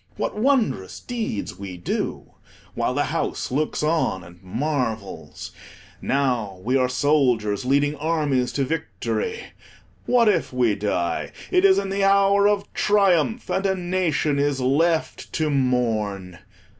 What wondrous deeds we do, while the house looks on and marvels. Now we are soldiers, leading armies to victory. What if we die: it is in the hour of triumph, and a nation is left to mourn.